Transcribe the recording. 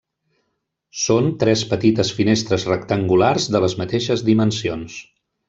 Són tres petites finestres rectangulars de les mateixes dimensions.